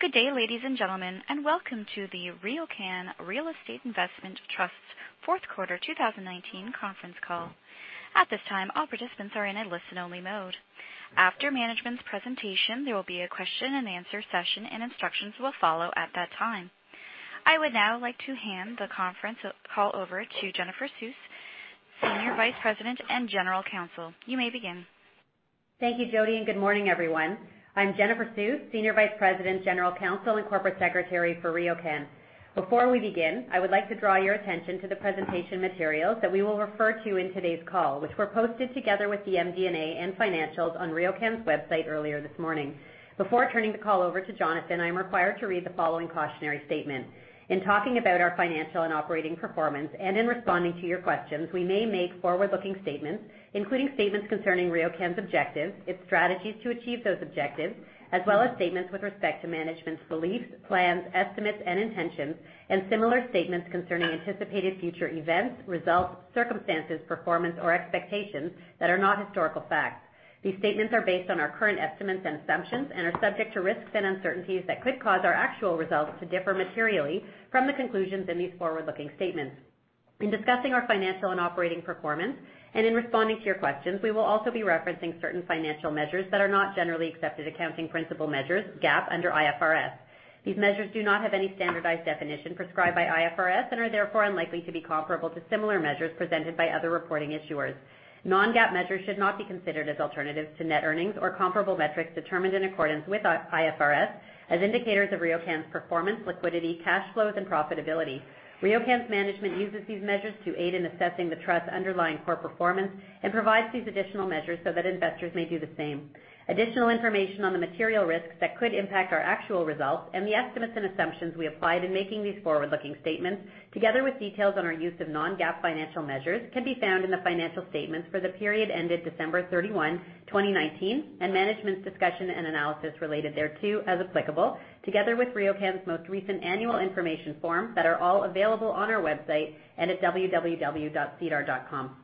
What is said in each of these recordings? Good day, ladies and gentlemen, and welcome to the RioCan Real Estate Investment Trust Fourth Quarter 2019 Conference Call. At this time, all participants are in a listen-only mode. After management's presentation, there will be a question-and-answer session, and instructions will follow at that time. I would now like to hand the conference call over to Jennifer Suess, Senior Vice President and General Counsel. You may begin. Thank you, Jody. Good morning, everyone. I'm Jennifer Suess, Senior Vice President, General Counsel, and Corporate Secretary for RioCan. Before we begin, I would like to draw your attention to the presentation materials that we will refer to in today's call, which were posted together with the MD&A and financials on RioCan's website earlier this morning. Before turning the call over to Jonathan, I am required to read the following cautionary statement. In talking about our financial and operating performance, and in responding to your questions, we may make forward-looking statements, including statements concerning RioCan's objectives, its strategies to achieve those objectives, as well as statements with respect to management's beliefs, plans, estimates, and intentions, and similar statements concerning anticipated future events, results, circumstances, performance, or expectations that are not historical facts. These statements are based on our current estimates and assumptions and are subject to risks and uncertainties that could cause our actual results to differ materially from the conclusions in these forward-looking statements. In discussing our financial and operating performance, and in responding to your questions, we will also be referencing certain financial measures that are not generally accepted accounting principal measures, GAAP, under IFRS. These measures do not have any standardized definition prescribed by IFRS and are therefore unlikely to be comparable to similar measures presented by other reporting issuers. Non-GAAP measures should not be considered as alternatives to net earnings or comparable metrics determined in accordance with IFRS as indicators of RioCan's performance, liquidity, cash flows, and profitability. RioCan's management uses these measures to aid in assessing the trust's underlying core performance and provides these additional measures so that investors may do the same. Additional information on the material risks that could impact our actual results and the estimates and assumptions we applied in making these forward-looking statements, together with details on our use of non-GAAP financial measures, can be found in the financial statements for the period ended December 31, 2019, and management's discussion and analysis related thereto, as applicable, together with RioCan's most recent annual information form that are all available on our website and at www.sedar.com.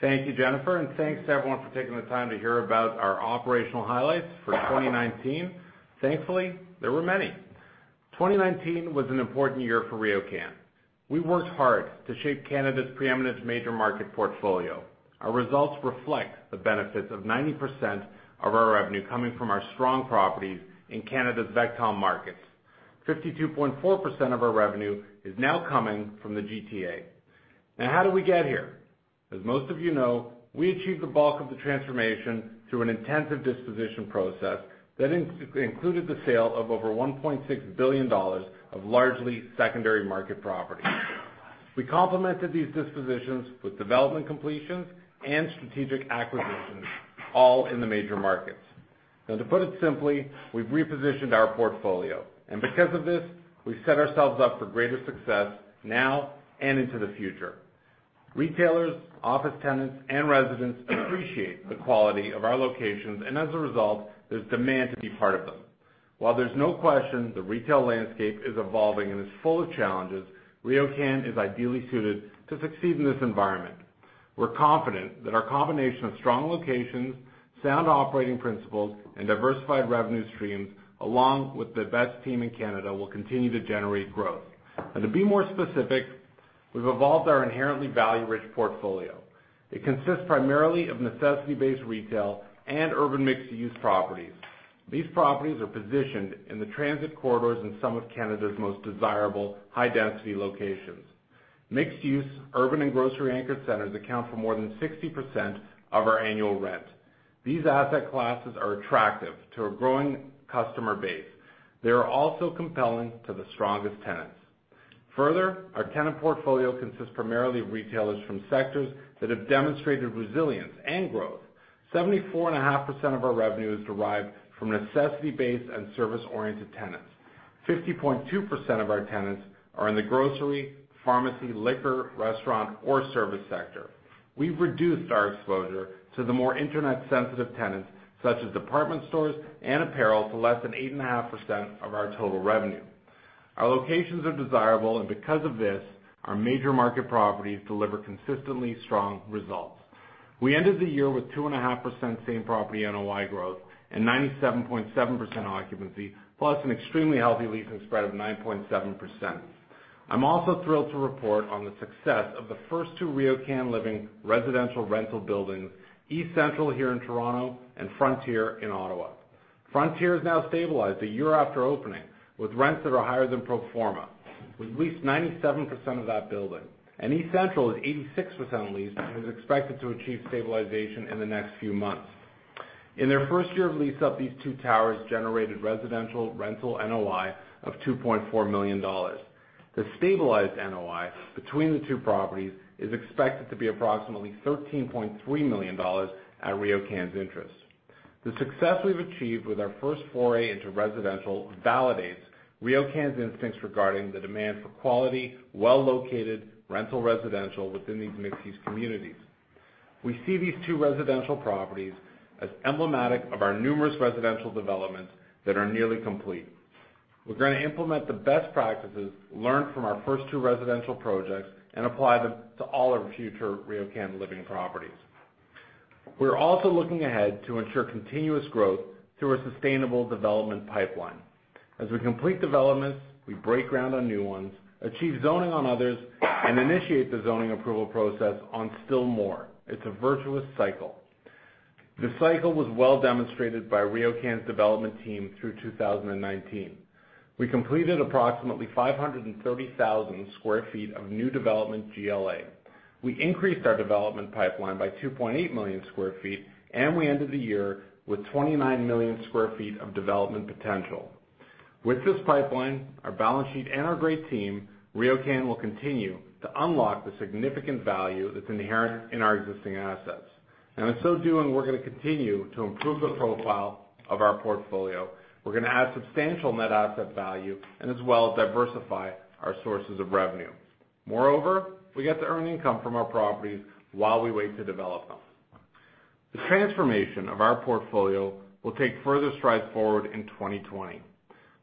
Thank you, Jennifer. Thanks, everyone, for taking the time to hear about our operational highlights for 2019. Thankfully, there were many. 2019 was an important year for RioCan. We worked hard to shape Canada's preeminent major market portfolio. Our results reflect the benefits of 90% of our revenue coming from our strong properties in Canada's six major markets. 52.4% of our revenue is now coming from the GTA. How did we get here? As most of you know, we achieved the bulk of the transformation through an intensive disposition process that included the sale of over 1.6 billion dollars of largely secondary market property. We complemented these dispositions with development completions and strategic acquisitions, all in the major markets. To put it simply, we've repositioned our portfolio. Because of this, we've set ourselves up for greater success now and into the future. Retailers, office tenants, and residents appreciate the quality of our locations, and as a result, there's demand to be part of them. While there's no question the retail landscape is evolving and is full of challenges, RioCan is ideally suited to succeed in this environment. We're confident that our combination of strong locations, sound operating principles, and diversified revenue streams, along with the best team in Canada, will continue to generate growth. Now, to be more specific, we've evolved our inherently value-rich portfolio. It consists primarily of necessity-based retail and urban mixed-use properties. These properties are positioned in the transit corridors in some of Canada's most desirable high-density locations. Mixed-use urban and grocery anchor centers account for more than 60% of our annual rent. These asset classes are attractive to a growing customer base. They are also compelling to the strongest tenants. Further, our tenant portfolio consists primarily of retailers from sectors that have demonstrated resilience and growth. 74.5% of our revenue is derived from necessity-based and service-oriented tenants. 50.2% of our tenants are in the grocery, pharmacy, liquor, restaurant, or service sector. We've reduced our exposure to the more internet-sensitive tenants, such as department stores and apparel, to less than 8.5% of our total revenue. Our locations are desirable, and because of this, our major market properties deliver consistently strong results. We ended the year with 2.5% same property NOI growth and 97.7% occupancy, plus an extremely healthy leasing spread of 9.7%. I'm also thrilled to report on the success of the first two RioCan Living residential rental buildings, East Central here in Toronto and Frontier in Ottawa. Frontier is now stabilized a year after opening, with rents that are higher than pro forma. We leased 97% of that building. East Central is 86% leased and is expected to achieve stabilization in the next few months. In their first year of lease up, these two towers generated residential rental NOI of 2.4 million dollars. The stabilized NOI between the two properties is expected to be approximately 13.3 million dollars at RioCan's interest. The success we've achieved with our first foray into residential validates RioCan's instincts regarding the demand for quality, well-located rental residential within these mixed-use communities. We see these two residential properties as emblematic of our numerous residential developments that are nearly complete. We're going to implement the best practices learned from our first two residential projects and apply them to all our future RioCan Living properties. We're also looking ahead to ensure continuous growth through our sustainable development pipeline. As we complete developments, we break ground on new ones, achieve zoning on others, and initiate the zoning approval process on still more. It's a virtuous cycle. The cycle was well demonstrated by RioCan's development team through 2019. We completed approximately 530,000 sq ft of new development GLA. We increased our development pipeline by 2.8 million square feet, and we ended the year with 29 million square feet of development potential. With this pipeline, our balance sheet, and our great team, RioCan will continue to unlock the significant value that's inherent in our existing assets. In so doing, we're going to continue to improve the profile of our portfolio. We're going to add substantial net asset value, and as well, diversify our sources of revenue. We get to earn income from our properties while we wait to develop them. The transformation of our portfolio will take further strides forward in 2020.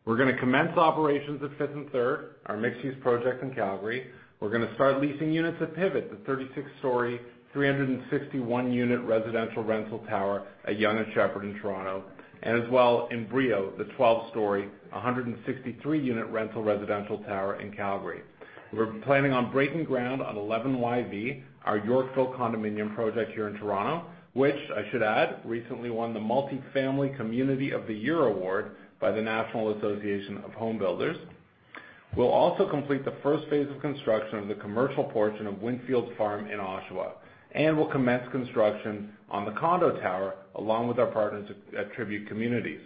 We're going to commence operations at Fifth & Third, our mixed-use project in Calgary. We're going to start leasing units at Pivot, the 36-story, 361-unit residential rental tower at Yonge and Sheppard in Toronto, and as well in Brio, the 12-story, 163-unit rental residential tower in Calgary. We're planning on breaking ground on 11YV, our Yorkville condominium project here in Toronto, which I should add, recently won the Multifamily Community of the Year Award by the National Association of Home Builders. We'll also complete the first phase of construction of the commercial portion of Windfields Farm in Oshawa, and we'll commence construction on the condo tower, along with our partners at Tribute Communities.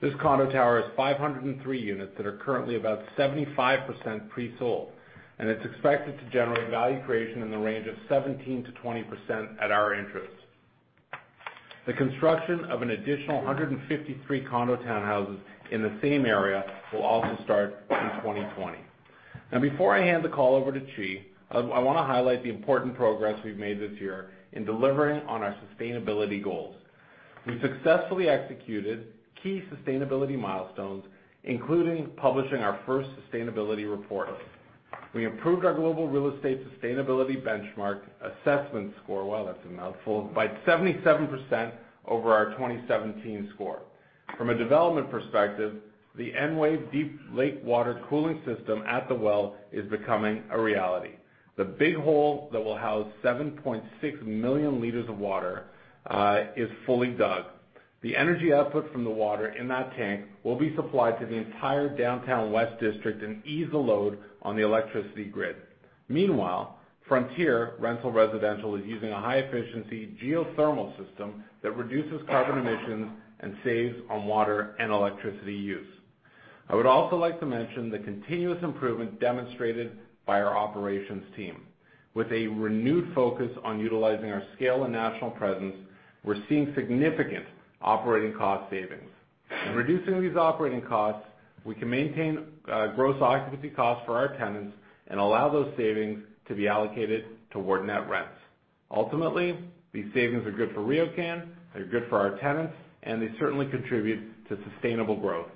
This condo tower is 503 units that are currently about 75% pre-sold, and it's expected to generate value creation in the range of 17%-20% at our interest. The construction of an additional 153 condo townhouses in the same area will also start in 2020. Now, before I hand the call over to Qi, I want to highlight the important progress we've made this year in delivering on our sustainability goals. We successfully executed key sustainability milestones, including publishing our first sustainability report. We improved our Global Real Estate Sustainability Benchmark Assessment Score, wow, that's a mouthful, by 77% over our 2017 score. From a development perspective, the Enwave Deep Lake Water Cooling system at The Well is becoming a reality. The big hole that will house 7.6 million liters of water is fully dug. The energy output from the water in that tank will be supplied to the entire Downtown West district and ease the load on the electricity grid. Meanwhile, Frontier Rental Residential is using a high-efficiency geothermal system that reduces carbon emissions and saves on water and electricity use. I would also like to mention the continuous improvement demonstrated by our operations team. With a renewed focus on utilizing our scale and national presence, we're seeing significant operating cost savings. In reducing these operating costs, we can maintain gross occupancy costs for our tenants and allow those savings to be allocated toward net rents. Ultimately, these savings are good for RioCan, they're good for our tenants, and they certainly contribute to sustainable growth.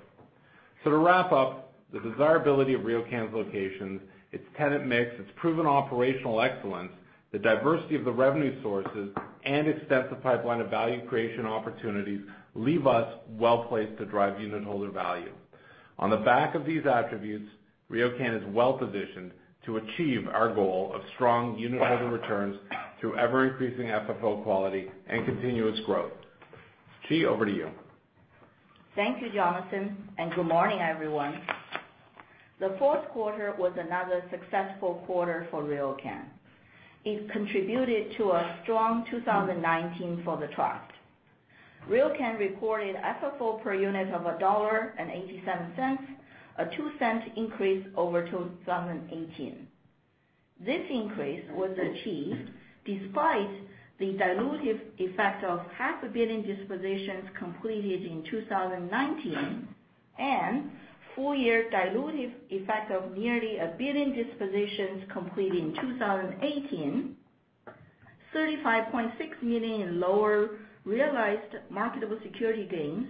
To wrap up, the desirability of RioCan's locations, its tenant mix, its proven operational excellence, the diversity of the revenue sources, and extensive pipeline of value creation opportunities leave us well-placed to drive unitholder value. On the back of these attributes, RioCan is well-positioned to achieve our goal of strong unitholder returns through ever-increasing FFO quality and continuous growth. Qi, over to you. Thank you, Jonathan, and good morning, everyone. The fourth quarter was another successful quarter for RioCan. It contributed to a strong 2019 for the trust. RioCan reported FFO per unit of CAD 1.87, a 0.02 increase over 2018. This increase was achieved despite the dilutive effect of 500 million dispositions completed in 2019 and full-year dilutive effect of nearly 1 billion dispositions completed in 2018, 35.6 million in lower realized marketable security gains,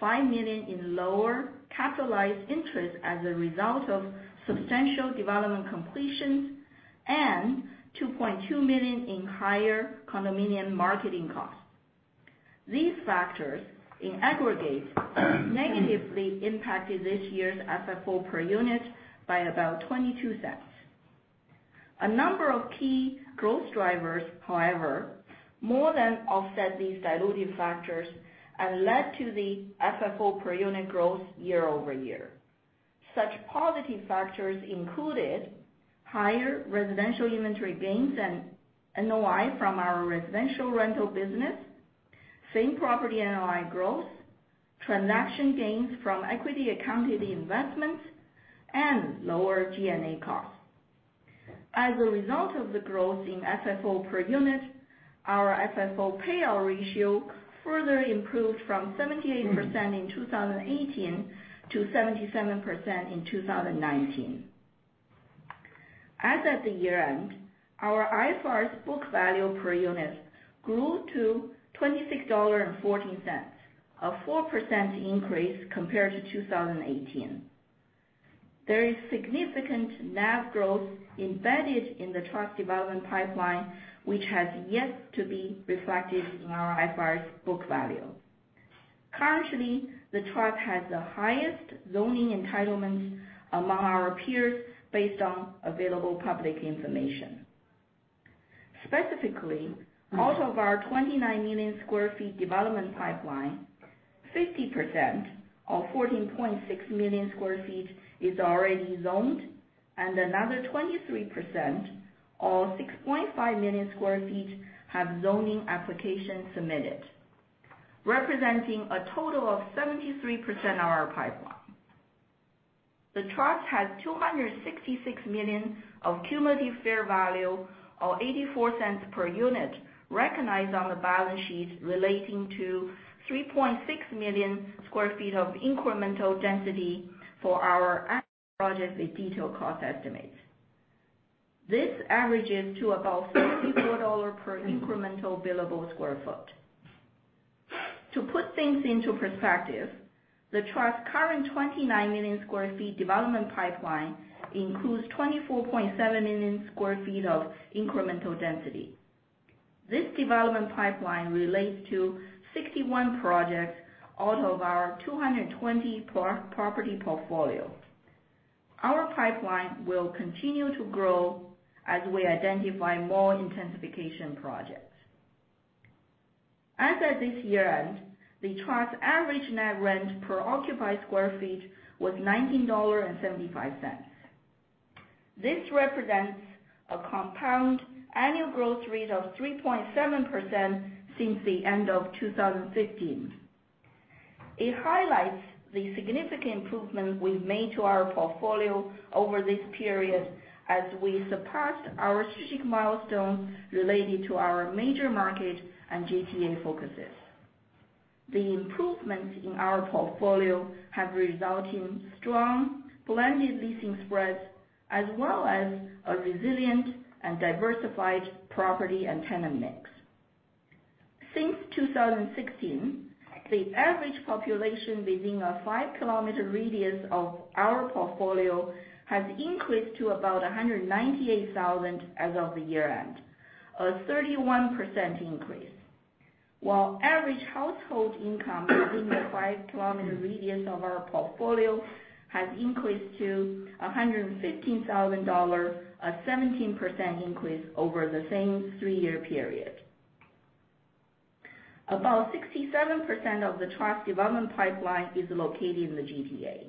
5 million in lower capitalized interest as a result of substantial development completions, and 2.2 million in higher condominium marketing costs. These factors, in aggregate, negatively impacted this year's FFO per unit by about 0.22. A number of key growth drivers, however, more than offset these dilutive factors and led to the FFO per unit growth year-over-year. Such positive factors included higher residential inventory gains and NOI from our residential rental business, same-property NOI growth, transaction gains from equity accounted investments, and lower G&A costs. As a result of the growth in FFO per unit, our FFO payout ratio further improved from 78% in 2018 to 77% in 2019. As at the year-end, our IFRS book value per unit grew to 26.14 dollars, a 4% increase compared to 2018. There is significant NAV growth embedded in the trust development pipeline, which has yet to be reflected in our IFRS book value. Currently, the trust has the highest zoning entitlements among our peers based on available public information. Specifically, out of our 29 million square feet development pipeline, 50%, or 14.6 million square feet is already zoned, and another 23%, or 6.5 million square feet, have zoning applications submitted, representing a total of 73% of our pipeline. The trust has 266 million of cumulative fair value or 0.84 per unit recognized on the balance sheet relating to 3.6 million square feet of incremental density for our project with detailed cost estimates. This averages to about 64 dollars per incremental billable square foot. To put things into perspective, the trust's current 29 million square feet development pipeline includes 24.7 million square feet of incremental density. This development pipeline relates to 61 projects out of our 220-property portfolio. Our pipeline will continue to grow as we identify more intensification projects. As at this year-end, the trust's average net rent per occupied square feet was 19.75 dollars. This represents a compound annual growth rate of 3.7% since the end of 2015. It highlights the significant improvement we've made to our portfolio over this period as we surpassed our strategic milestone related to our major market and GTA focuses. The improvements in our portfolio have result in strong blended leasing spreads, as well as a resilient and diversified property and tenant mix. Since 2016, the average population within a 5-km radius of our portfolio has increased to about 198,000 as of the year-end, a 31% increase. While average household income within a 5-km radius of our portfolio has increased to 115,000 dollars, a 17% increase over the same three-year period. About 67% of the trust development pipeline is located in the GTA.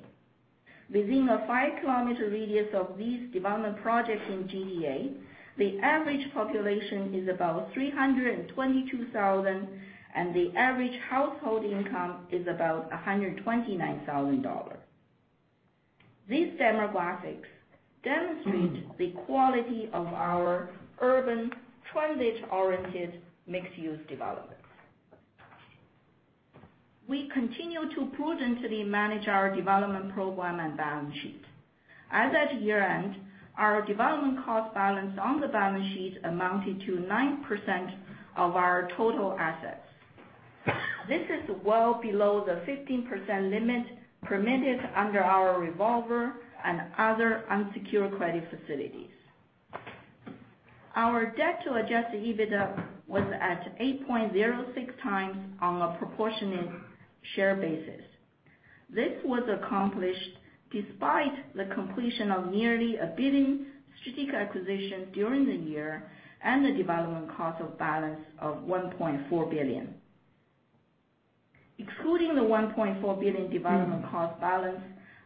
Within a 5-km radius of these development projects in GTA, the average population is about 322,000, and the average household income is about 129,000 dollars. These demographics demonstrate the quality of our urban transit-oriented mixed-use developments. We continue to prudently manage our development program and balance sheet. As at year-end, our development cost balance on the balance sheet amounted to 9% of our total assets. This is well below the 15% limit permitted under our revolver and other unsecured credit facilities. Our debt to adjusted EBITDA was at 8.06x on a proportionate share basis. This was accomplished despite the completion of nearly 1 billion strategic acquisitions during the year and the development cost of balance of 1.4 billion. Excluding the 1.4 billion development cost balance,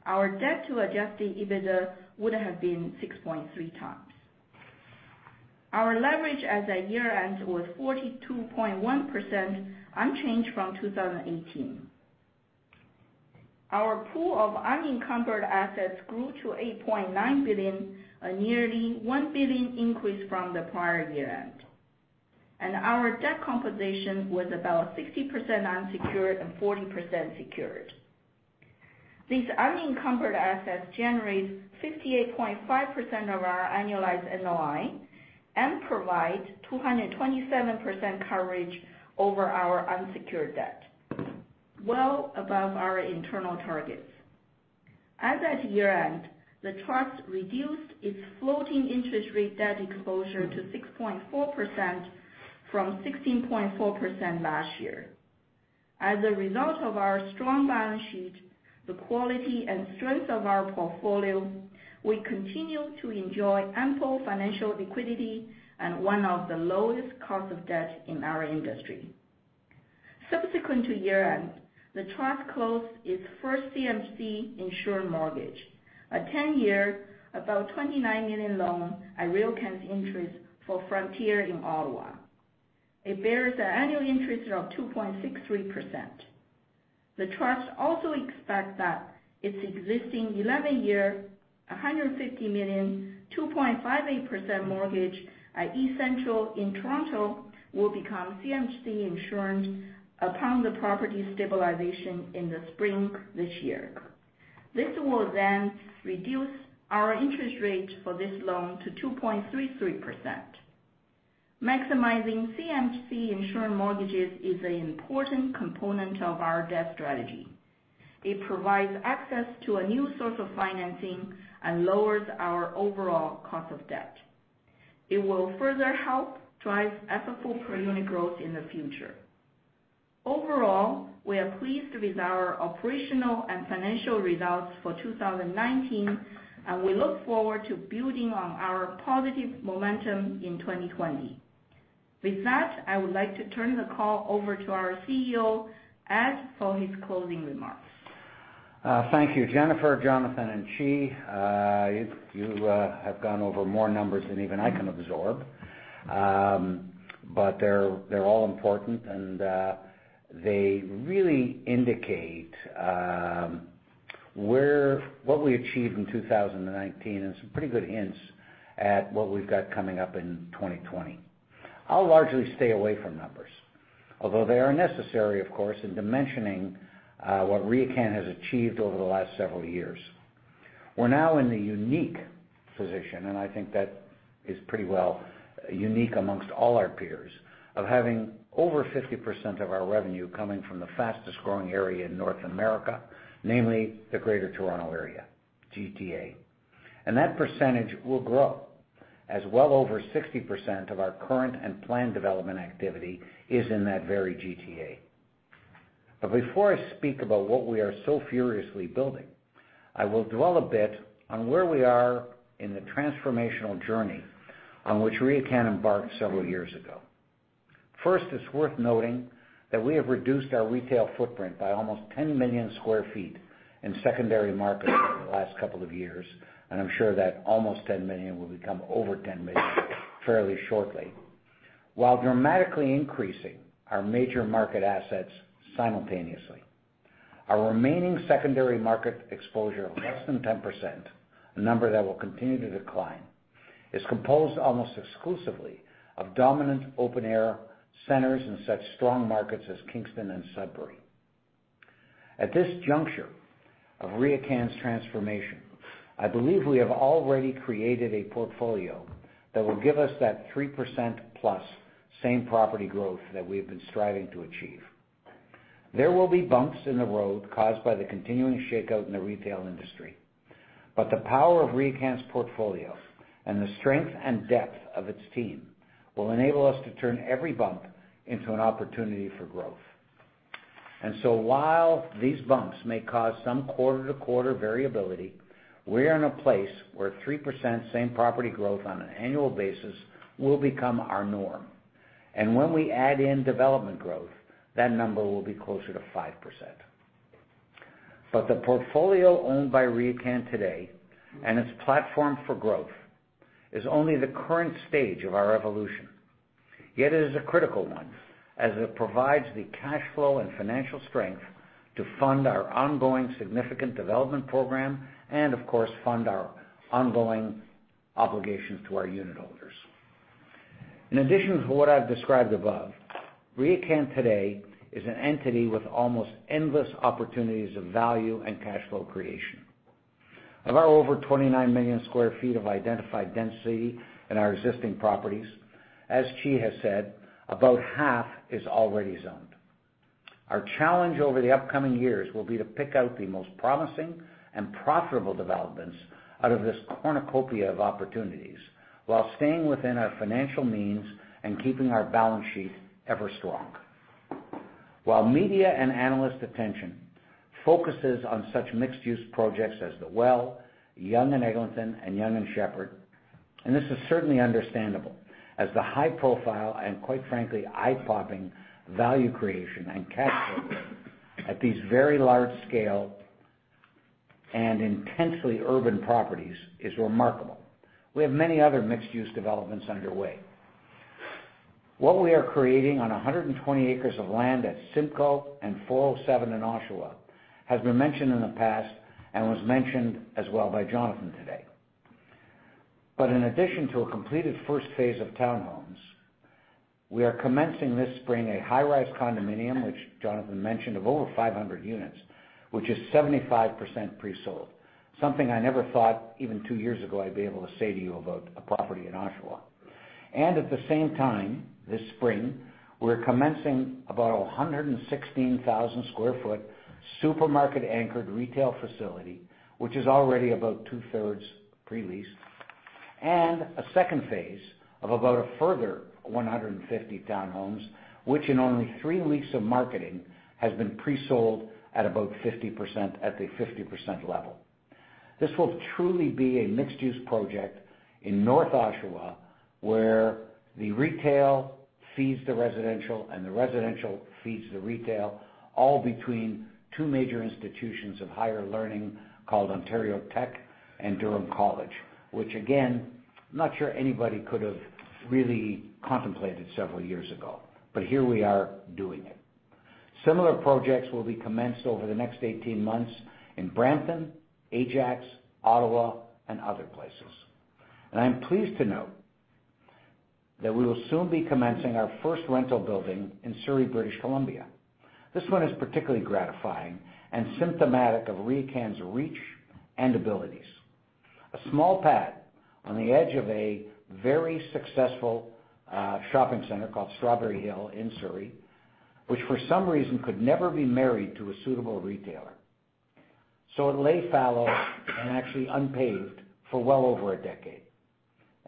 our debt to adjusted EBITDA would have been 6.3x. Our leverage as at year-end was 42.1%, unchanged from 2018. Our pool of unencumbered assets grew to 8.9 billion, a nearly 1 billion increase from the prior year-end, and our debt composition was about 60% unsecured and 40% secured. These unencumbered assets generate 58.5% of our annualized NOI and provide 227% coverage over our unsecured debt, well above our internal targets. As at year-end, the trust reduced its floating interest rate debt exposure to 6.4% from 16.4% last year. As a result of our strong balance sheet, the quality and strength of our portfolio, we continue to enjoy ample financial liquidity and one of the lowest cost of debt in our industry. Subsequent to year-end, the trust closed its first CMHC-insured mortgage, a 10-year, about 29 million loan at RioCan's interest for Frontier in Ottawa. It bears an annual interest rate of 2.63%. The trust also expects that its existing 11-year, 150 million, 2.58% mortgage at East Central in Toronto will become CMHC-insured upon the property stabilization in the spring this year. This will then reduce our interest rate for this loan to 2.33%. Maximizing CMHC-insured mortgages is an important component of our debt strategy. It provides access to a new source of financing and lowers our overall cost of debt. It will further help drive FFO per unit growth in the future. Overall, we are pleased with our operational and financial results for 2019, and we look forward to building on our positive momentum in 2020. With that, I would like to turn the call over to our CEO, Ed, for his closing remarks. Thank you, Jennifer, Jonathan, and Qi. You have gone over more numbers than even I can absorb. They're all important, and they really indicate what we achieved in 2019, and some pretty good hints at what we've got coming up in 2020. I'll largely stay away from numbers, although they are necessary, of course, in dimensioning what RioCan has achieved over the last several years. We're now in the unique position, and I think that is pretty well unique amongst all our peers, of having over 50% of our revenue coming from the fastest-growing area in North America, namely the Greater Toronto Area, GTA. That percentage will grow as well over 60% of our current and planned development activity is in that very GTA. Before I speak about what we are so furiously building, I will dwell a bit on where we are in the transformational journey on which RioCan embarked several years ago. First, it's worth noting that we have reduced our retail footprint by almost 10 million square feet in secondary markets over the last couple of years, and I'm sure that almost 10 million will become over 10 million fairly shortly, while dramatically increasing our major market assets simultaneously. Our remaining secondary market exposure of less than 10%, a number that will continue to decline, is composed almost exclusively of dominant open-air centers in such strong markets as Kingston and Sudbury. At this juncture of RioCan's transformation, I believe we have already created a portfolio that will give us that 3%+ same property growth that we have been striving to achieve. There will be bumps in the road caused by the continuing shakeout in the retail industry. The power of RioCan's portfolio and the strength and depth of its team will enable us to turn every bump into an opportunity for growth. While these bumps may cause some quarter-to-quarter variability, we are in a place where 3% same property growth on an annual basis will become our norm. When we add in development growth, that number will be closer to 5%. The portfolio owned by RioCan today and its platform for growth is only the current stage of our evolution. Yet it is a critical one as it provides the cash flow and financial strength to fund our ongoing significant development program and of course, fund our ongoing obligations to our unitholders. In addition to what I've described above, RioCan today is an entity with almost endless opportunities of value and cash flow creation. Of our over 29 million square feet of identified density in our existing properties, as Qi has said, about half is already zoned. Our challenge over the upcoming years will be to pick out the most promising and profitable developments out of this cornucopia of opportunities while staying within our financial means and keeping our balance sheet ever strong. While media and analyst attention focuses on such mixed-use projects as The Well, Yonge and Eglinton, and Yonge and Sheppard, this is certainly understandable, as the high profile and quite frankly, eye-popping value creation and cash flow at these very large-scale and intensely urban properties is remarkable. We have many other mixed-use developments underway. What we are creating on 120 acres of land at Simcoe and 407 in Oshawa has been mentioned in the past and was mentioned as well by Jonathan today. In addition to a completed first phase of townhomes, we are commencing this spring a high-rise condominium, which Jonathan mentioned, of over 500 units, which is 75% pre-sold. Something I never thought even two years ago I'd be able to say to you about a property in Oshawa. At the same time this spring, we're commencing about 116,000 sq ft supermarket-anchored retail facility, which is already about 2/3 pre-leased. A second phase of about a further 150 townhomes, which in only three weeks of marketing has been pre-sold at about 50% at the 50% level. This will truly be a mixed-use project in North Oshawa, where the retail feeds the residential, and the residential feeds the retail, all between two major institutions of higher learning called Ontario Tech and Durham College, which again, I am not sure anybody could have really contemplated several years ago. Here we are doing it. Similar projects will be commenced over the next 18 months in Brampton, Ajax, Ottawa, and other places. I am pleased to note that we will soon be commencing our first rental building in Surrey, British Columbia. This one is particularly gratifying and symptomatic of RioCan's reach and abilities. A small pad on the edge of a very successful shopping center called Strawberry Hill in Surrey, which for some reason could never be married to a suitable retailer. It lay fallow and actually unpaved for well over a decade.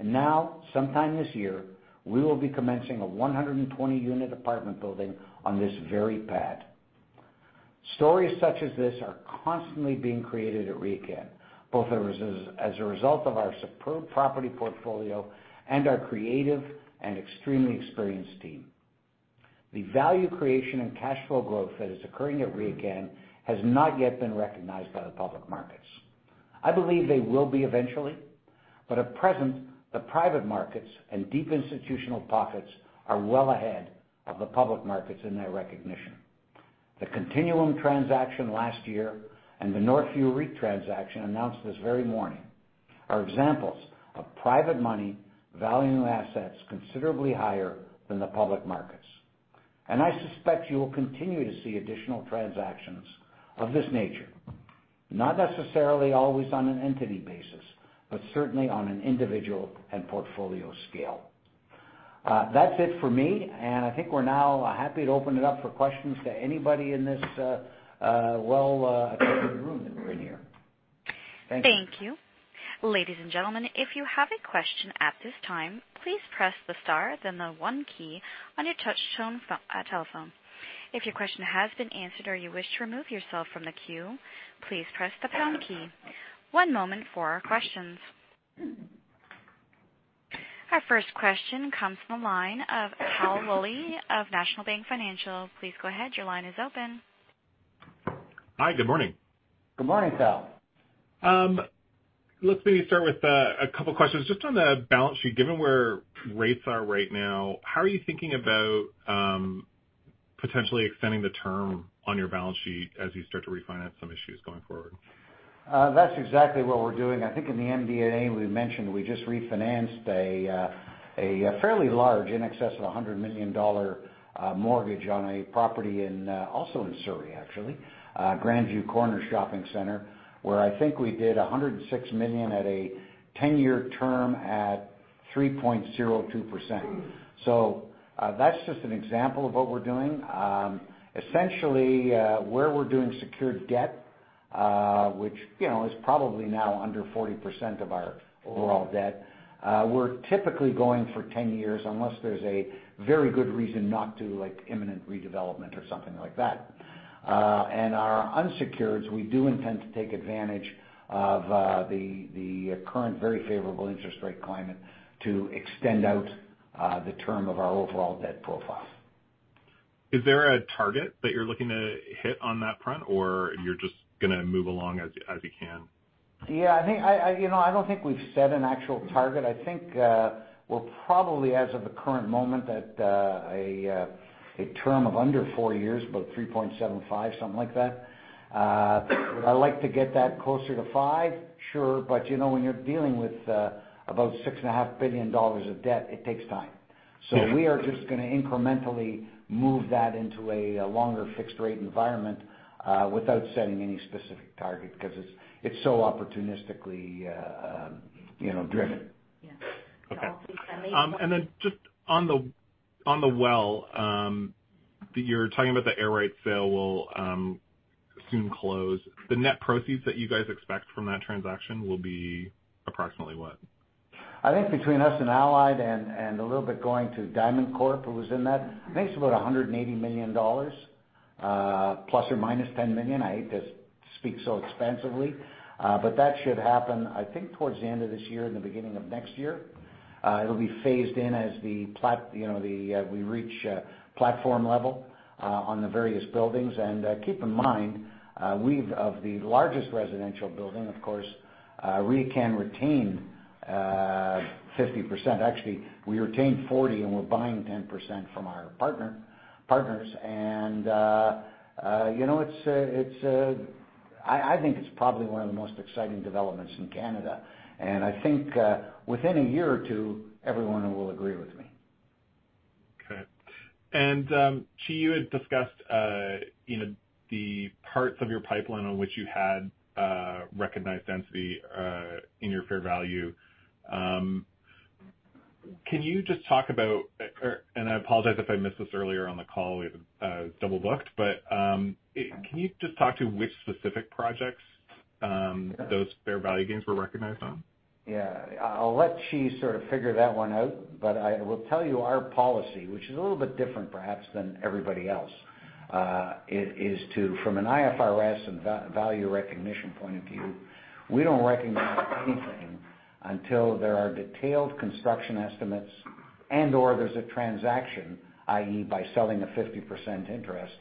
Now, sometime this year, we will be commencing a 120-unit apartment building on this very pad. Stories such as this are constantly being created at RioCan, both as a result of our superb property portfolio and our creative and extremely experienced team. The value creation and cash flow growth that is occurring at RioCan has not yet been recognized by the public markets. I believe they will be eventually. At present, the private markets and deep institutional pockets are well ahead of the public markets in their recognition. The Continuum transaction last year, and the Northview REIT transaction announced this very morning, are examples of private money valuing assets considerably higher than the public markets. I suspect you will continue to see additional transactions of this nature, not necessarily always on an entity basis, but certainly on an individual and portfolio scale. That's it for me. I think we're now happy to open it up for questions to anybody in this well-attended room that we're in here. Thank you. Thank you. Ladies and gentlemen, if you have a question at this time, please press the star, the one key on your touch tone telephone. If your question has been answered or you wish to remove yourself from the queue, please press the pound key. One moment for our questions. Our first question comes from the line of Tal Woolley of National Bank Financial. Please go ahead. Your line is open. Hi, good morning. Good morning, Tal. Let me start with a couple of questions. Just on the balance sheet, given where rates are right now, how are you thinking about potentially extending the term on your balance sheet as you start to refinance some issues going forward? That's exactly what we're doing. I think in the MDA we mentioned we just refinanced a fairly large, in excess of 100 million dollar, mortgage on a property also in Surrey, actually, Grandview Corners Shopping Centre, where I think we did 106 million at a 10-year term at 3.02%. That's just an example of what we're doing. Essentially, where we're doing secured debt, which is probably now under 40% of our overall debt, we're typically going for 10 years, unless there's a very good reason not to, like imminent redevelopment or something like that. Our unsecureds, we do intend to take advantage of the current very favorable interest rate climate to extend out the term of our overall debt profile. Is there a target that you're looking to hit on that front, or you're just going to move along as you can? Yeah, I don't think we've set an actual target. I think we'll probably, as of the current moment, at a term of under four years, about 3.75, something like that. Would I like to get that closer to five? Sure. When you're dealing with about 6.5 billion dollars of debt, it takes time. We are just going to incrementally move that into a longer fixed rate environment, without setting any specific target, because it's so opportunistically driven. Yeah. Okay. Just on the Well, that you're talking about the Air Rights sale will soon close. The net proceeds that you guys expect from that transaction will be approximately what? I think between us and Allied and a little bit going to DiamondCorp, who was in that, I think it's about 180 million dollars, ±10 million. I hate to speak so expensively. That should happen, I think towards the end of this year and the beginning of next year. It'll be phased in as we reach platform level on the various buildings. Keep in mind, of the largest residential building, of course, RioCan retained 50%. Actually, we retained 40%, and we're buying 10% from our partners. I think it's probably one of the most exciting developments in Canada. I think within a year or two, everyone will agree with me. Okay. Qi, you had discussed the parts of your pipeline on which you had recognized density in your fair value. Can you just talk about, and I apologize if I missed this earlier on the call, we have it double-booked, but can you just talk to which specific projects those fair value gains were recognized on? Yeah. I'll let Qi sort of figure that one out. I will tell you our policy, which is a little bit different perhaps than everybody else, is to, from an IFRS and value recognition point of view, we don't recognize anything until there are detailed construction estimates and/or there's a transaction, i.e., by selling a 50% interest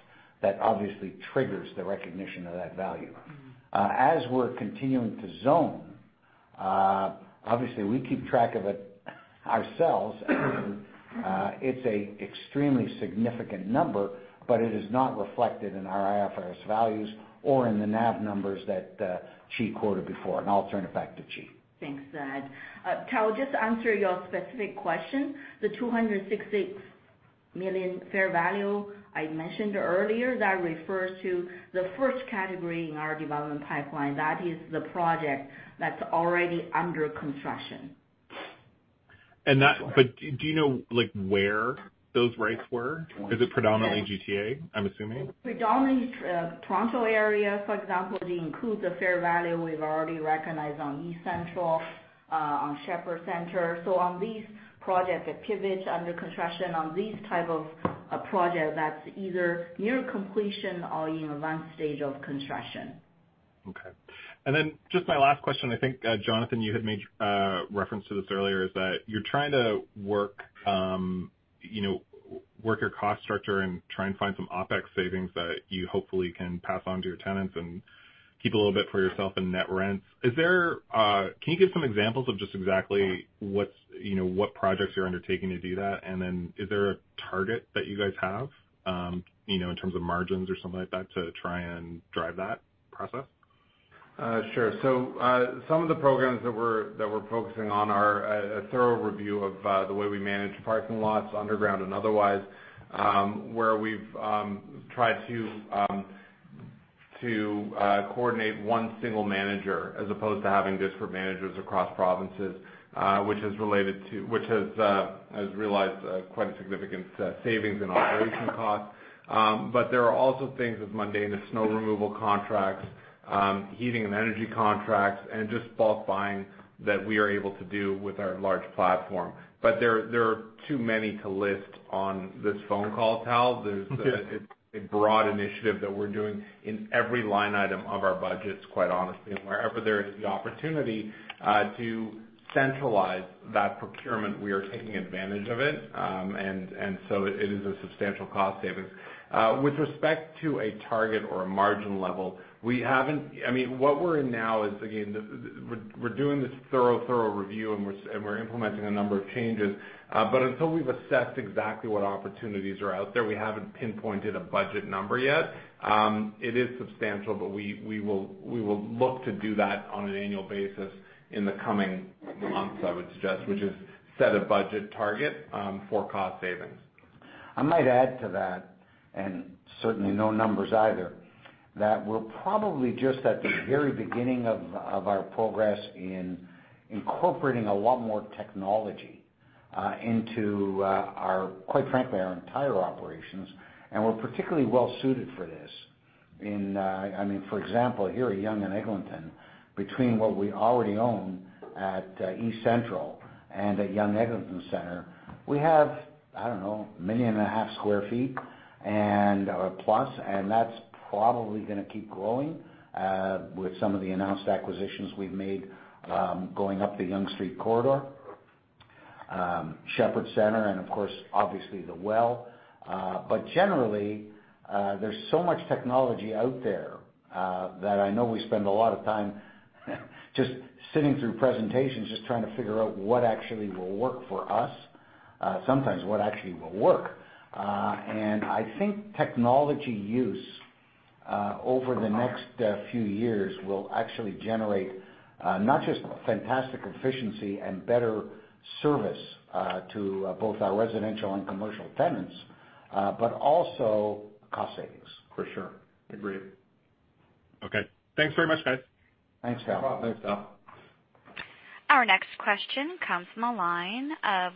that obviously triggers the recognition of that value. As we're continuing to zone, obviously we keep track of it ourselves. It's a extremely significant number, it is not reflected in our IFRS values or in the NAV numbers that Qi quoted before. I'll turn it back to Qi. Thanks, Ed. Tal, just to answer your specific question, the 266 million fair value, I mentioned earlier, that refers to the first category in our development pipeline. That is the project that's already under construction. Do you know where those rates were? Is it predominantly GTA, I'm assuming? Predominantly Toronto area, for example, they include the fair value we've already recognized on East Central, on Sheppard Centre. On these projects that Pivot under construction, on these type of project that's either near completion or in advanced stage of construction. Okay. Just my last question, I think, Jonathan, you had made reference to this earlier, is that you're trying to work your cost structure and try and find some OPEX savings that you hopefully can pass on to your tenants and keep a little bit for yourself in net rents. Can you give some examples of just exactly what projects you're undertaking to do that? Is there a target that you guys have, in terms of margins or something like that, to try and drive that process? Sure. Some of the programs that we're focusing on are a thorough review of the way we manage parking lots, underground and otherwise, where we've tried to coordinate one single manager as opposed to having disparate managers across provinces, which has realized quite a significant savings in operation costs. There are also things as mundane as snow removal contracts, heating and energy contracts, and just bulk buying that we are able to do with our large platform. There are too many to list on this phone call, Tal. Okay. There's a broad initiative that we're doing in every line item of our budgets, quite honestly. Wherever there is the opportunity to centralize that procurement, we are taking advantage of it. It is a substantial cost savings. With respect to a target or a margin level, what we're in now is, again, we're doing this thorough review and we're implementing a number of changes. Until we've assessed exactly what opportunities are out there, we haven't pinpointed a budget number yet. It is substantial, but we will look to do that on an annual basis in the coming months, I would suggest, which is set a budget target, for cost savings. I might add to that, and certainly no numbers either, that we're probably just at the very beginning of our progress in incorporating a lot more technology into, quite frankly, our entire operations, and we're particularly well-suited for this. For example, here at Yonge- and Eglinton, between what we already own at East Central and at Yonge-Eglinton Centre, we have, I don't know, 1.5 million square feet and, or plus, and that's probably going to keep growing, with some of the announced acquisitions we've made, going up the Yonge Street corridor. Sheppard Centre and of course, obviously, The Well. Generally, there's so much technology out there that I know we spend a lot of time just sitting through presentations, just trying to figure out what actually will work for us, sometimes what actually will work. I think technology use, over the next few years, will actually generate, not just fantastic efficiency and better service to both our residential and commercial tenants, but also cost savings. For sure. Agreed. Okay. Thanks very much, guys. Thanks, Tal. No problem. Thanks, Tal. Our next question comes from the line of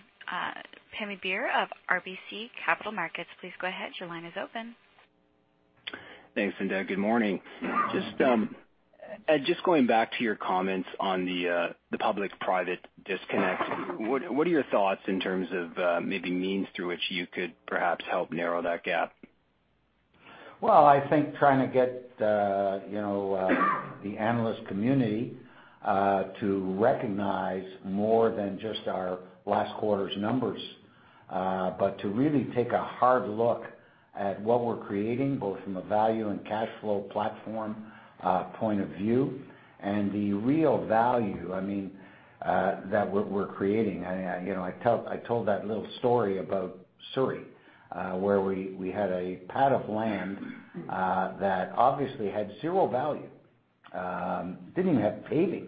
Pammi Bir of RBC Capital Markets. Please go ahead, your line is open. Thanks. Good morning. Just going back to your comments on the public-private disconnect, what are your thoughts in terms of maybe means through which you could perhaps help narrow that gap? I think trying to get the analyst community to recognize more than just our last quarter's numbers, but to really take a hard look at what we're creating, both from a value and cash flow platform point of view and the real value that we're creating. I told that little story about Surrey, where we had a pad of land that obviously had zero value. Didn't even have paving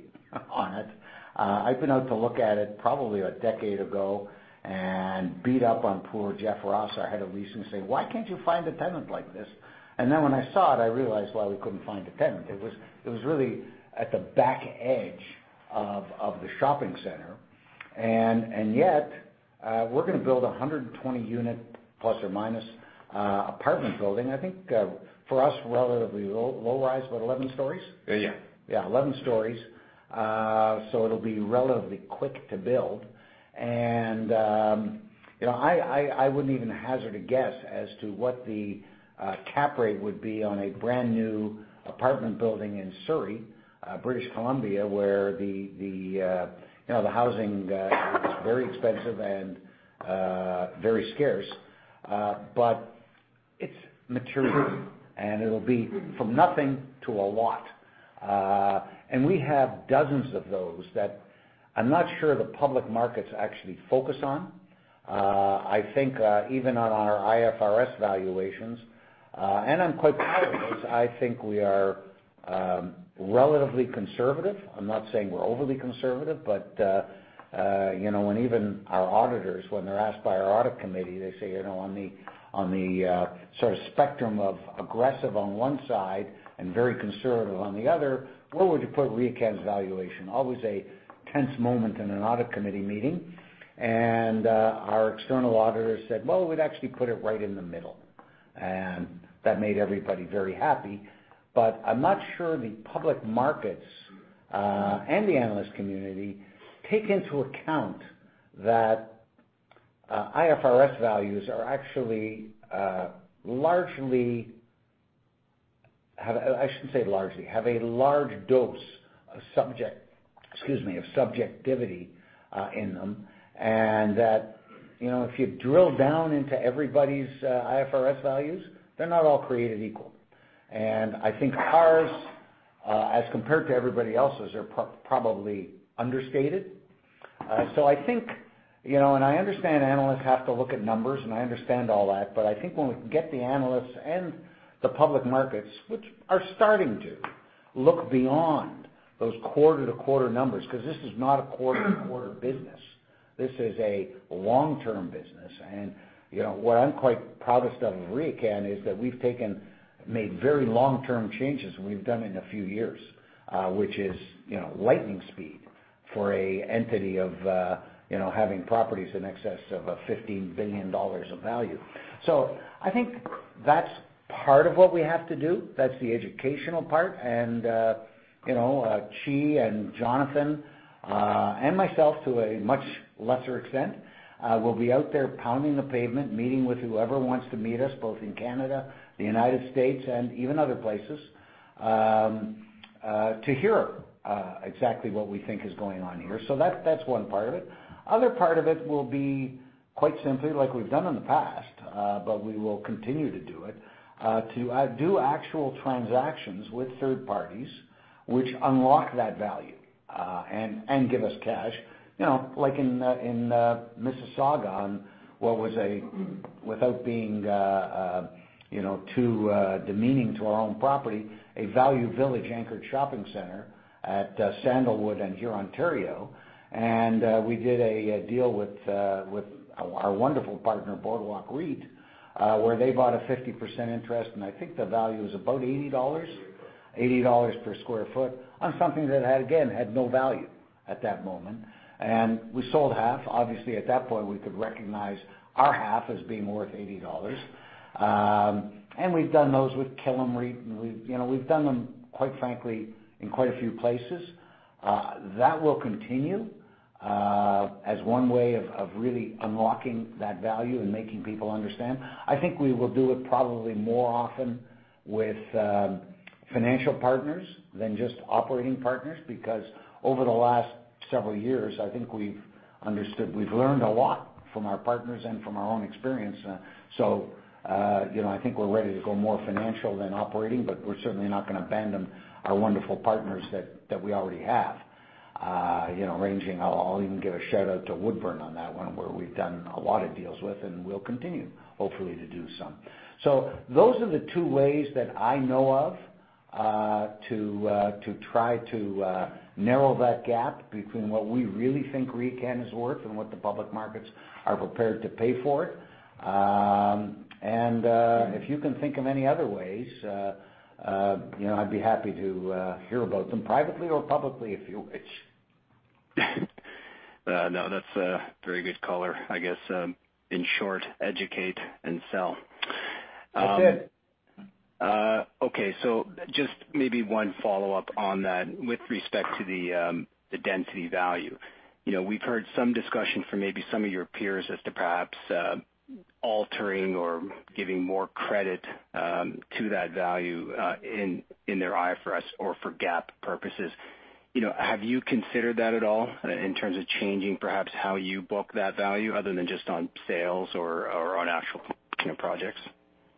on it. I've been out to look at it probably a decade ago and beat up on poor Jeff Ross, our Head of Leasing, saying, "Why can't you find a tenant like this?" When I saw it, I realized why we couldn't find a tenant. It was really at the back edge of the shopping center. We're going to build a 120-unit, plus or minus, apartment building. I think, for us, relatively low rise, about 11 stories. Yeah. Yeah, 11 stories. It'll be relatively quick to build. I wouldn't even hazard a guess as to what the cap rate would be on a brand-new apartment building in Surrey, British Columbia, where the housing is very expensive and very scarce. It's material, and it'll be from nothing to a lot. We have dozens of those that I'm not sure the public markets actually focus on. I think, even on our IFRS valuations, I'm quite proud of this, I think we are relatively conservative. I'm not saying we're overly conservative. Even our auditors, when they're asked by our audit committee, they say, "On the sort of spectrum of aggressive on one side and very conservative on the other, where would you put RioCan's valuation?" Always a tense moment in an audit committee meeting. Our external auditors said, "Well, we'd actually put it right in the middle." That made everybody very happy. I'm not sure the public markets, and the analyst community take into account that IFRS values are actually largely. I shouldn't say largely. Have a large dose of subject, excuse me, of subjectivity in them, and that if you drill down into everybody's IFRS values, they're not all created equal. I think ours, as compared to everybody else's, are probably understated. I understand analysts have to look at numbers, and I understand all that, but I think when we can get the analysts and the public markets, which are starting to look beyond those quarter-to-quarter numbers, because this is not a quarter-to-quarter business. This is a long-term business. What I'm quite proudest of at RioCan is that we've made very long-term changes than we've done in a few years, which is lightning speed for a entity of having properties in excess of 15 billion dollars of value. I think that's part of what we have to do. That's the educational part. Qi and Jonathan, and myself to a much lesser extent, will be out there pounding the pavement, meeting with whoever wants to meet us, both in Canada, the United States, and even other places, to hear exactly what we think is going on here. That's one part of it. Other part of it will be quite simply like we've done in the past, but we will continue to do it, to do actual transactions with third parties, which unlock that value, and give us cash. Like in Mississauga, on what was a, without being too demeaning to our own property, a Value Village anchored shopping center at Sandalwood and Hurontario. We did a deal with our wonderful partner, Boardwalk REIT, where they bought a 50% interest, and I think the value was about 80 dollars. 80 dollars. CAD 80 per square foot on something that, again, had no value at that moment. We sold half. Obviously, at that point, we could recognize our half as being worth 80 dollars. We've done those with Killam REIT, and we've done them, quite frankly, in quite a few places. That will continue as one way of really unlocking that value and making people understand. I think we will do it probably more often with financial partners than just operating partners, because over the last several years, I think we've understood. We've learned a lot from our partners and from our own experience. I think we're ready to go more financial than operating, but we're certainly not going to abandon our wonderful partners that we already have. Ranging, I'll even give a shout-out to Woodbourne on that one, where we've done a lot of deals with and will continue, hopefully, to do some. Those are the two ways that I know of to try to narrow that gap between what we really think RioCan is worth and what the public markets are prepared to pay for it. If you can think of any other ways, I'd be happy to hear about them privately or publicly, if you wish. No, that's a very good caller. I guess, in short, educate and sell. That's it. Okay. Just maybe one follow-up on that with respect to the density value. We've heard some discussion from maybe some of your peers as to perhaps altering or giving more credit to that value, in their IFRS or for GAAP purposes. Have you considered that at all in terms of changing perhaps how you book that value other than just on sales or on actual projects?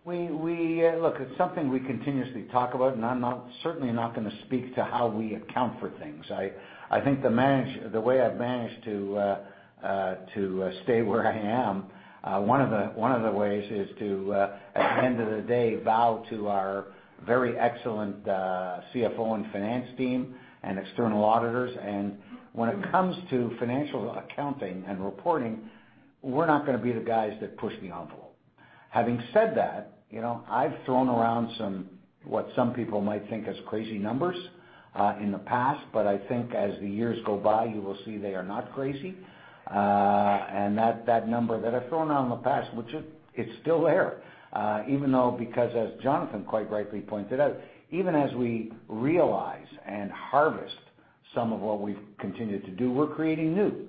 Look, it's something we continuously talk about. I'm certainly not going to speak to how we account for things. I think the way I've managed to stay where I am, one of the ways is to, at the end of the day, bow to our very excellent CFO and finance team and external auditors. When it comes to financial accounting and reporting, we're not going to be the guys that push the envelope. Having said that, I've thrown around some, what some people might think as crazy numbers, in the past. I think as the years go by, you will see they are not crazy. That number that I've thrown around in the past, it's still there. Even though, because as Jonathan quite rightly pointed out, even as we realize and harvest some of what we've continued to do, we're creating new.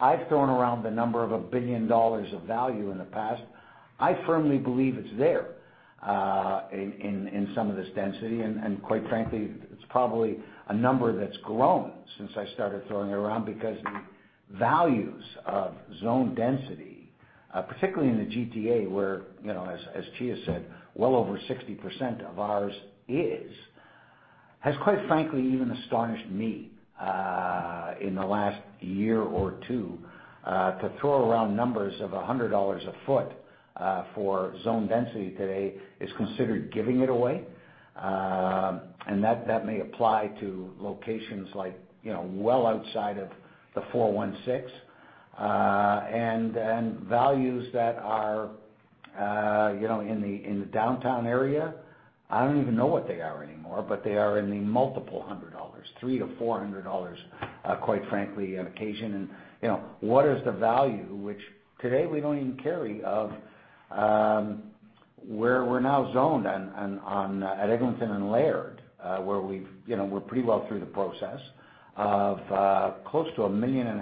I've thrown around the number of 1 billion dollars of value in the past. I firmly believe it's there, in some of this density, and quite frankly, it's probably a number that's grown since I started throwing it around because the values of zone density, particularly in the GTA, where, as Qi has said, well over 60% of ours is, has quite frankly even astonished me, in the last one or two. To throw around numbers of 100 dollars a foot for zone density today is considered giving it away. That may apply to locations well outside of the 416. Values that are in the downtown area, I don't even know what they are anymore, but they are in the multiple hundred dollars, 300-400 dollars, quite frankly, on occasion. What is the value, which today we don't even carry, of where we're now zoned at Eglinton and Laird, where we're pretty well through the process of close to 1.5 million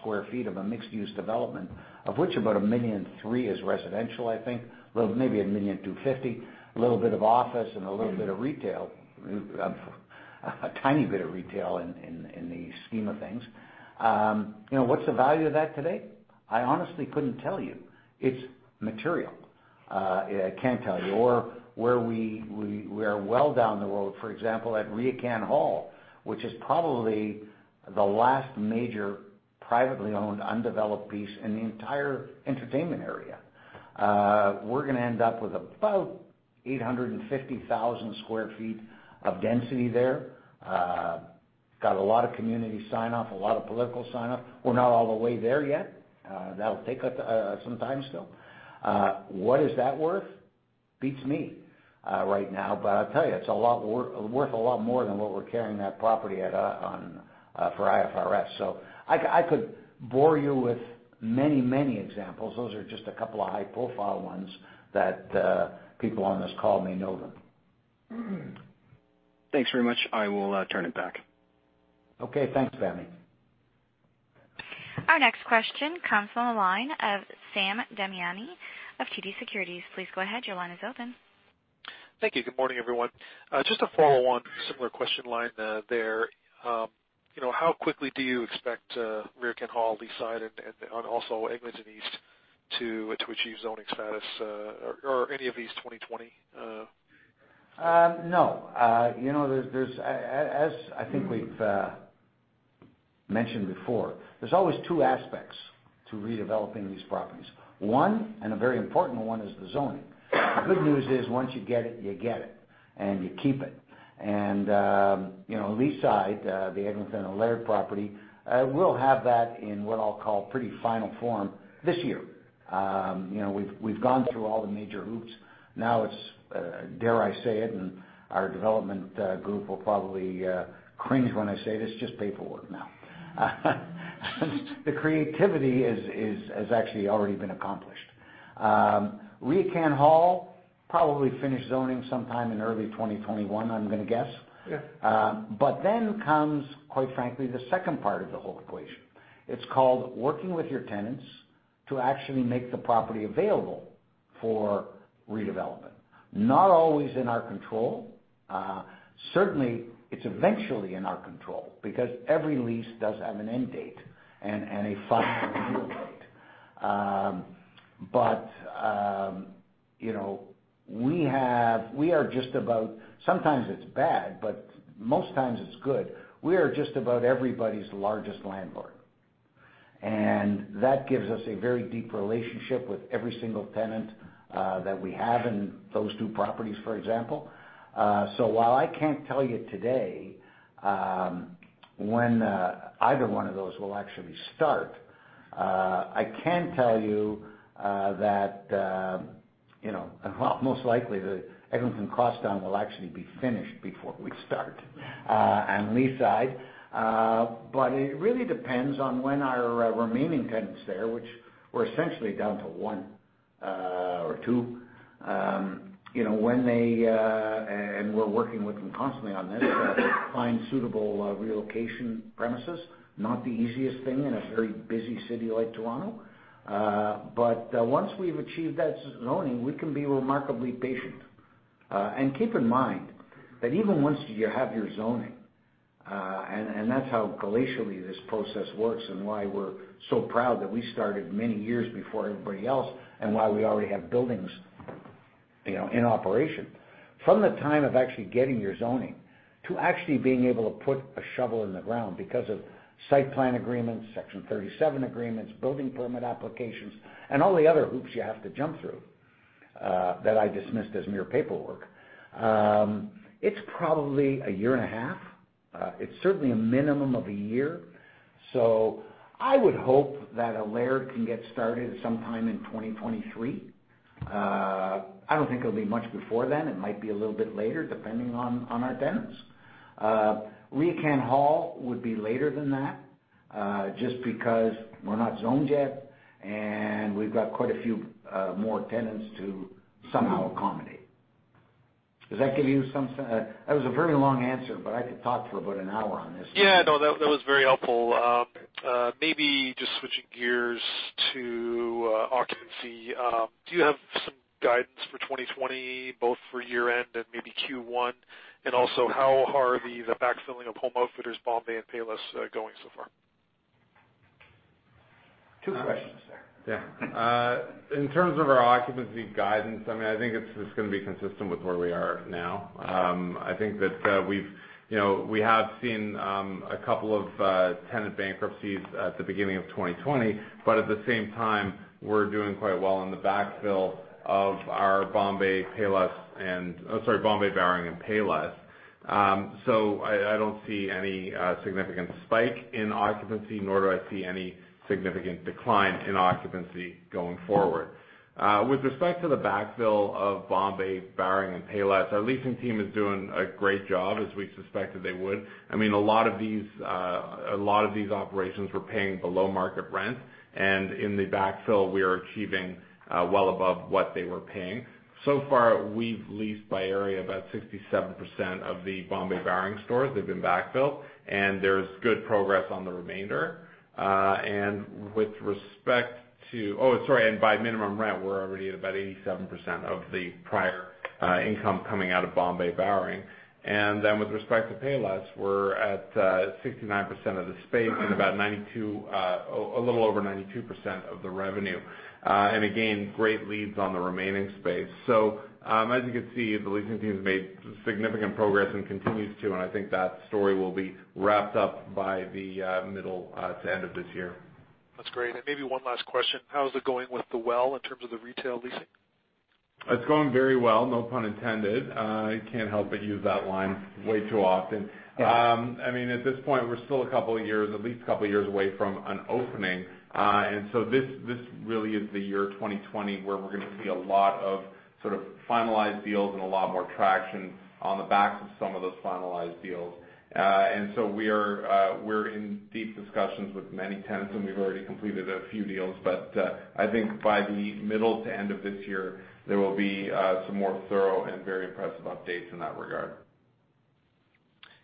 square feet of a mixed-use development, of which about 1.3 million is residential, I think. Well, maybe 1.25 million. A little bit of office and a little bit of retail. A tiny bit of retail in the scheme of things. What's the value of that today? I honestly couldn't tell you. It's material. I can't tell you. Where we are well down the road, for example, at Ricoh Hall, which is probably the last major privately-owned, undeveloped piece in the entire entertainment area. We're going to end up with about 850,000 sq ft of density there. We got a lot of community sign-off, a lot of political sign-off. We're not all the way there yet. That'll take us some time still. What is that worth? Beats me right now. I'll tell you, it's worth a lot more than what we're carrying that property at for IFRS. I could bore you with many, many examples. Those are just a couple of high-profile ones that people on this call may know of. Thanks very much. I will turn it back. Okay. Thanks, Pammi. Our next question comes from the line of Sam Damiani of TD Securities. Please go ahead. Your line is open. Thank you. Good morning, everyone. Just to follow on a similar question line there. How quickly do you expect Ricoh Hall, Leaside, and also Eglinton East to achieve zoning status, or any of these 2020? No. As I think we've mentioned before, there's always two aspects to redeveloping these properties. One, and a very important one, is the zoning. The good news is once you get it, you get it, and you keep it. Leaside, the Eglinton and Laird property, we'll have that in what I'll call pretty final form this year. We've gone through all the major hoops. Now it's, dare I say it, and our development group will probably cringe when I say this, just paperwork now. The creativity has actually already been accomplished. Ricoh Hall, probably finish zoning sometime in early 2021, I'm going to guess. Yeah. Comes, quite frankly, the second part of the whole equation. It's called working with your tenants to actually make the property available for redevelopment. Not always in our control. Certainly, it's eventually in our control because every lease does have an end date and a final renewal date. But you know, we are just about, sometimes it's bad, but most times it's good. We are just about everybody's largest landlord, and that gives us a very deep relationship with every single tenant that we have in those two properties, for example. While I can't tell you today when either one of those will actually start, I can tell you that most likely the Eglinton Crosstown will actually be finished before we start on Leaside. It really depends on when our remaining tenants there, which we're essentially down to one or two. We're working with them constantly on this to find suitable relocation premises. Not the easiest thing in a very busy city like Toronto. Once we've achieved that zoning, we can be remarkably patient. Keep in mind that even once you have your zoning, that's how glacially this process works and why we're so proud that we started many years before everybody else and why we already have buildings in operation. From the time of actually getting your zoning to actually being able to put a shovel in the ground because of site plan agreements, Section 37 agreements, building permit applications, and all the other hoops you have to jump through that I dismissed as mere paperwork. It's probably a year and a half. It's certainly a minimum of a year. I would hope that Laird can get started sometime in 2023. I don't think it'll be much before then. It might be a little bit later, depending on our tenants. Ricoh Hall would be later than that, just because we're not zoned yet, and we've got quite a few more tenants to somehow accommodate. Does that give you some sense? That was a very long answer, but I could talk for about an hour on this. Yeah, no, that was very helpful. Maybe just switching gears to occupancy. Do you have some guidance for 2020, both for year-end and maybe Q1? Also, how are the backfilling of Home Outfitters, Bombay, and Payless going so far? Two questions there. Yeah. In terms of our occupancy guidance, I think it's just going to be consistent with where we are now. I think that we have seen a couple of tenant bankruptcies at the beginning of 2020. At the same time, we're doing quite well in the backfill of our Bombay Company and Payless. I don't see any significant spike in occupancy, nor do I see any significant decline in occupancy going forward. With respect to the backfill of Bombay Company and Payless, our leasing team is doing a great job, as we suspected they would. A lot of these operations were paying below-market rent. In the backfill, we are achieving well above what they were paying. Far, we've leased by area about 67% of the Bombay Company stores that have been backfilled. There's good progress on the remainder. Oh, sorry, and by minimum rent, we're already at about 87% of the prior income coming out of Bombay. Then with respect to Payless, we're at 69% of the space and a little over 92% of the revenue. Again, great leads on the remaining space. As you can see, the leasing team has made significant progress and continues to, and I think that story will be wrapped up by the middle to end of this year. That's great. Maybe one last question. How is it going with The Well in terms of the retail leasing? It's going very well, no pun intended. I can't help but use that line way too often. Yeah. At this point, we're still at least a couple of years away from an opening. This really is the year 2020, where we're going to see a lot of finalized deals and a lot more traction on the backs of some of those finalized deals. We're in deep discussions with many tenants, and we've already completed a few deals. I think by the middle to end of this year, there will be some more thorough and very impressive updates in that regard.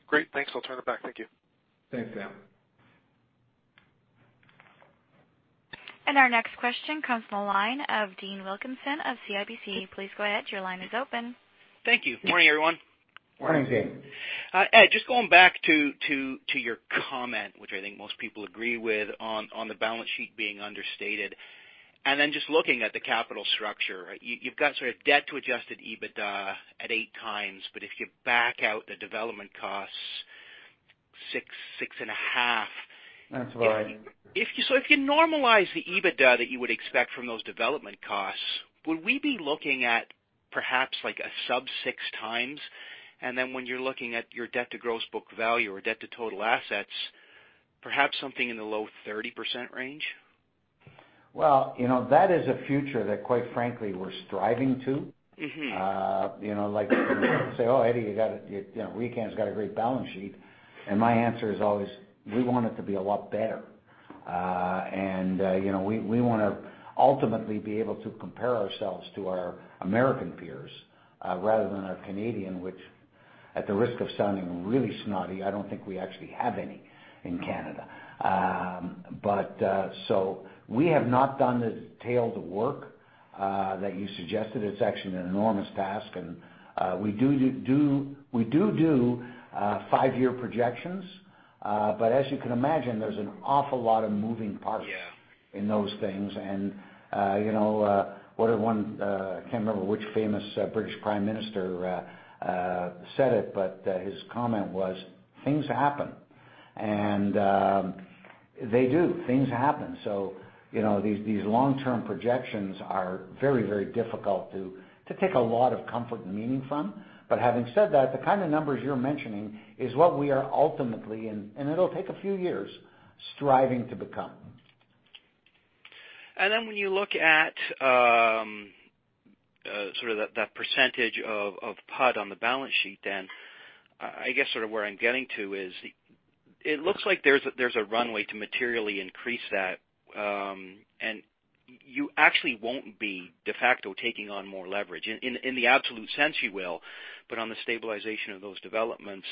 Great. Thanks. I'll turn it back. Thank you. Thanks, Sam. Our next question comes from the line of Dean Wilkinson of CIBC. Please go ahead. Your line is open. Thank you. Morning, everyone. Morning, Dean. Ed, just going back to your comment, which I think most people agree with, on the balance sheet being understated, and then just looking at the capital structure. You've got sort of debt to adjusted EBITDA at 8x, but if you back out the development costs, six and a half. That's right. If you normalize the EBITDA that you would expect from those development costs, would we be looking at perhaps like a sub 6x? When you're looking at your debt to gross book value or debt to total assets, perhaps something in the low 30% range? Well, that is a future that quite frankly, we're striving to. Like say, "Oh, Eddie, RioCan's got a great balance sheet." My answer is always; we want it to be a lot better. We want to ultimately be able to compare ourselves to our American peers, rather than our Canadian, which at the risk of sounding really snotty, I don't think we actually have any in Canada. We have not done the detailed work that you suggested. It's actually an enormous task, and we do five-year projections. As you can imagine, there's an awful lot of moving parts. Yeah. in those things. I can't remember which famous British prime minister said it, but his comment was, "Things happen." They do. Things happen. These long-term projections are very, very difficult to take a lot of comfort and meaning from. Having said that, the kind of numbers you're mentioning is what we are ultimately, and it'll take a few years, striving to become. When you look at sort of that percentage of PUD on the balance sheet, I guess sort of where I'm getting to is, it looks like there's a runway to materially increase that, and you actually won't be de facto taking on more leverage. In the absolute sense, you will, but on the stabilization of those developments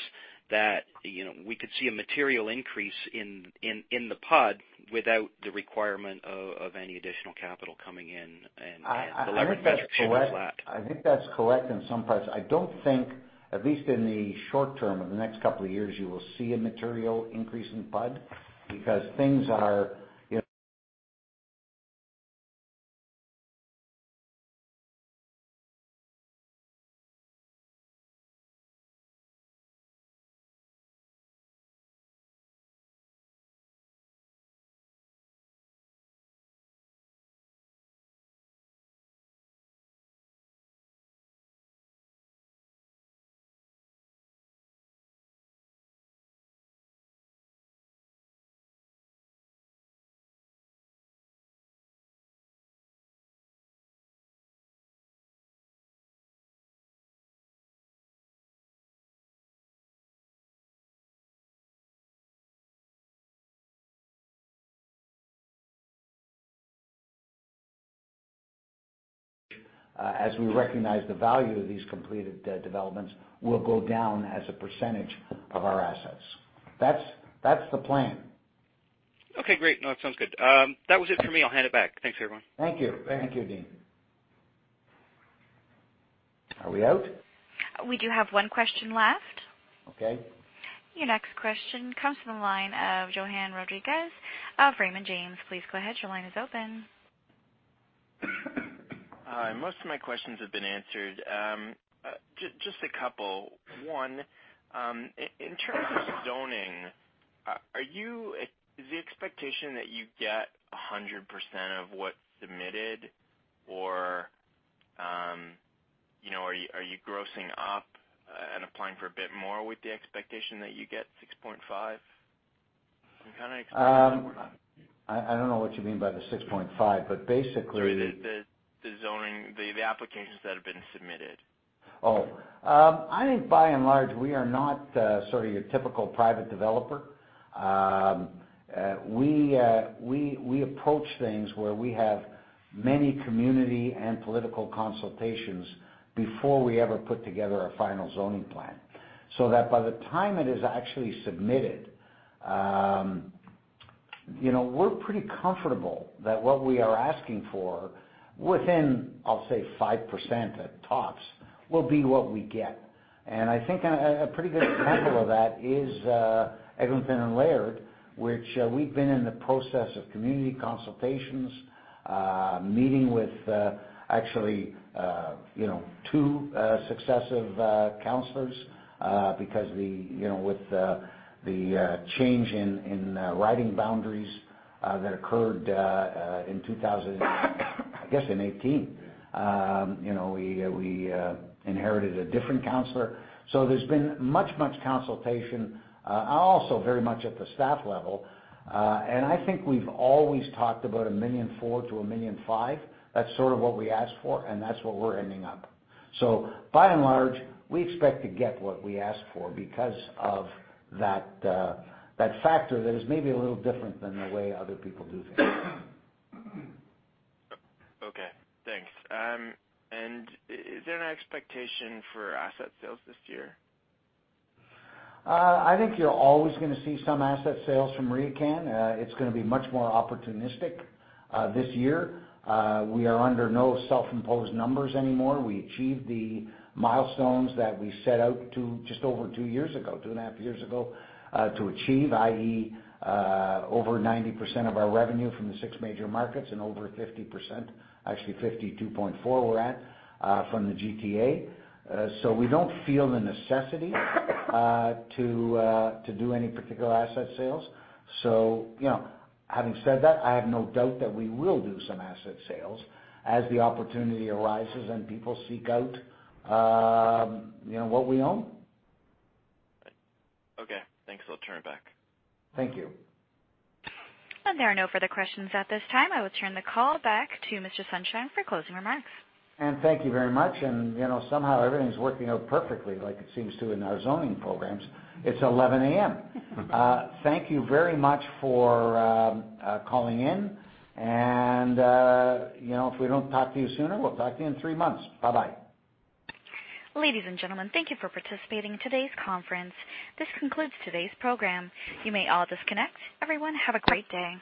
that we could see a material increase in the PUD without the requirement of any additional capital coming in and delivering additional slack. I think that's correct in some parts. I don't think, at least in the short term, in the next couple of years, you will see a material increase in PUD because as we recognize the value of these completed developments will go down as a percentage of our assets. That's the plan. Okay, great. No, it sounds good. That was it for me. I'll hand it back. Thanks, everyone. Thank you. Thank you, Dean. Are we out? We do have one question left. Okay. Your next question comes from the line of Johann Rodrigues of Raymond James. Please go ahead. Your line is open. Hi. Most of my questions have been answered. Just a couple. One, in terms of zoning, is the expectation that you get 100% of what's submitted? Are you grossing up and applying for a bit more with the expectation that you get 6.5? I'm kind of expecting that one. I don't know what you mean by the 6.5, but basically- Sorry, the zoning, the applications that have been submitted. I think by and large that we are not sort of your typical private developer. We approach things where we have many community and political consultations before we ever put together a final zoning plan, so that by the time it is actually submitted, we're pretty comfortable that what we are asking for, within, I'll say 5% at tops, will be what we get. I think a pretty good example of that is Eglinton and Laird, which we've been in the process of community consultations, meeting with actually two successive counselors, because with the change in riding boundaries that occurred, I guess in 2018. We inherited a different counselor. There's been much consultation, also very much at the staff level. I think we've always talked about 1,400,000-1,500,000. That's sort of what we asked for, and that's what we're ending up. By and large, we expect to get what we asked for because of that factor that is maybe a little different than the way other people do things. Okay, thanks. Is there an expectation for asset sales this year? I think you're always going to see some asset sales from RioCan. It's going to be much more opportunistic. This year, we are under no self-imposed numbers anymore. We achieved the milestones that we set out to just over two and a half years ago to achieve, i.e., over 90% of our revenue from the six major markets and over 50%, actually 52.4 we're at, from the GTA. We don't feel the necessity to do any particular asset sales. Having said that, I have no doubt that we will do some asset sales as the opportunity arises and people seek out what we own. Okay, thanks. I'll turn it back. Thank you. There are no further questions at this time. I will turn the call back to Mr. Sonshine for closing remarks. Thank you very much, and somehow everything's working out perfectly like it seems to in our zoning programs. It's 11:00 A.M. Thank you very much for calling in, and if we don't talk to you sooner, we'll talk to you in three months. Bye-bye. Ladies and gentlemen, thank you for participating in today's conference. This concludes today's program. You may all disconnect. Everyone, have a great day.